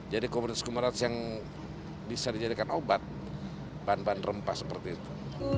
jadi komoditas komoditas yang bisa dijadikan obat bahan bahan rempah seperti itu